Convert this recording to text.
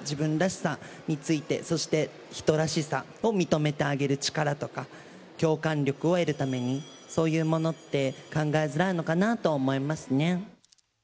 自分らしさについて、そして、人らしさを認めてあげる力とか、共感力を得るために、そういうものって考えづらいのかなと思いますね。